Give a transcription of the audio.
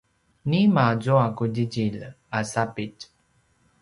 nima zua qudjidjilj a sapitj?